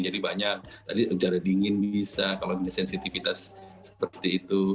jadi banyak tadi jarak dingin bisa kalau ada sensitivitas seperti itu